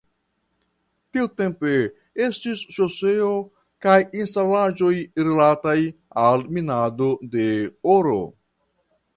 Tiutempe estis ŝoseo kaj instalaĵoj rilataj al minado de oro.